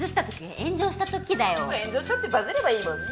炎上したってバズればいいもんね。